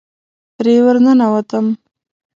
پرې ورننوتم.